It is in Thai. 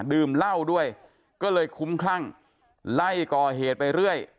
ดื่มเหล้าด้วยก็เลยคุ้มคลั่งไล่ก่อเหตุไปเรื่อย